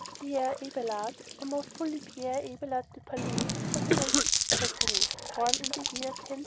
Pierre Abelard or, more fully, Pierre Abelard de Palais was a native of Brittany, born in the year 1079.